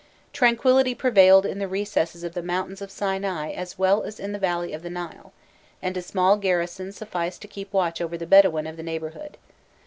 Tranquillity prevailed in the recesses of the mountains of Sinai as well as in the valley of the Nile, and a small garrison sufficed to keep watch over the Bedouin of the neighbourhood.